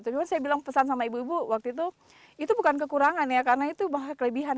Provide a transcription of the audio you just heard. cuma saya bilang pesan sama ibu ibu waktu itu itu bukan kekurangan ya karena itu kelebihan